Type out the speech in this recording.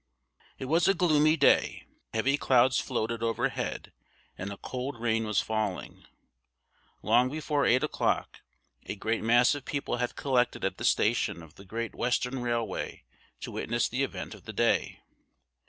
It was a gloomy day: heavy clouds floated overhead, and a cold rain was falling. Long before eight o'clock, a great mass of people had collected at the station of the Great Western Railway to witness the event of the day.